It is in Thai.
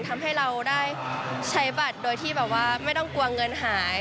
ทำให้เราได้ใช้บัตรโดยที่แบบว่าไม่ต้องกลัวเงินหาย